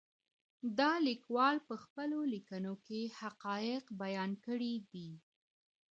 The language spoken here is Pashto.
دا ليکوال په خپلو ليکنو کي حقايق بيان کړي دي.